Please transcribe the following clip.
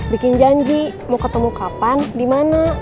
bikin janji mau ketemu kapan dimana